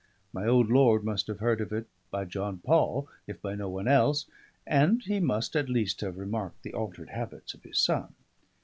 My old lord must have heard of it, by John Paul, if by no one else; and he must at least have remarked the altered habits of his son.